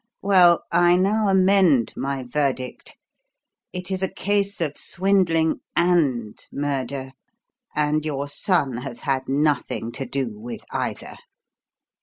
Well, I now amend my verdict. It is a case of swindling and murder; and your son has had nothing to do with either!"